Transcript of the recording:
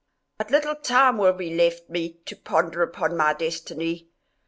But little time will be left me to ponder upon my destiny!